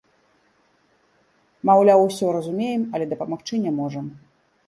Маўляў, усё разумеем, але дапамагчы не можам.